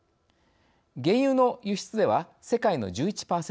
原油の輸出では世界の１１％